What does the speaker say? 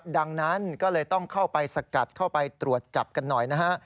ดังนั้นก็เลยต้องเข้าไปสกัดเข้าไปตรวจจับกันหน่อยนะฮะ